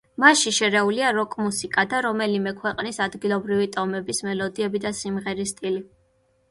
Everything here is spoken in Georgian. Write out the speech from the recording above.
მასში შერეულია როკ-მუსიკა და რომელიმე ქვეყნის ადგილობრივი ტომების მელოდიები და სიმღერის სტილი.